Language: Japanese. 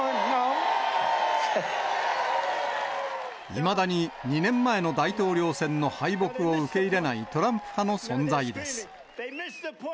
いまだに２年前の大統領選の敗北を受け入れないトランプ派の存在です。